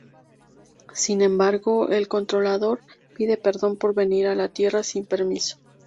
Sin embargo, El Controlador pide perdón por venir a la Tierra sin permiso.